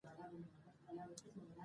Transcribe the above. هغه د روژې میاشت کې روژه نیولې ده.